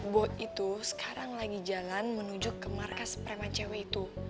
bo itu sekarang lagi jalan menuju ke markas preman cewek itu